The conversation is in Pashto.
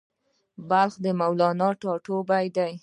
بلخ د مولانا ټاټوبی دی